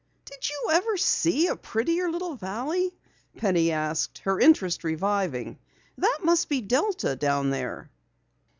"Did you ever see a prettier little valley?" Penny asked, her interest reviving. "That must be Delta down there."